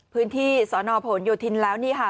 พื้นที่สอนอพลอยู่ทิ้นแล้วนี่ฮะ